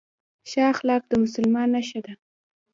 ښه اخلاق د مسلمان نښه ده